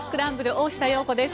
大下容子です。